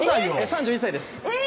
３１歳です